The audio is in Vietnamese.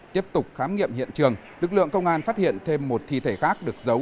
tiếp tục khám nghiệm hiện trường lực lượng công an phát hiện thêm một thi thể khác được giấu